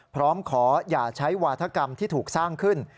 พร้อมขออย่าใช้วาธกรรมที่ถูกสร้างขึ้น